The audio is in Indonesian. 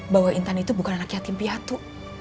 bahwa intan itu bukan anak yatim piatu